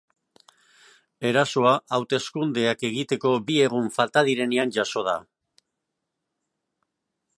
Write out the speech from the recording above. Erasoa hauteskundeak egiteko bi egun falta direnean jazo da.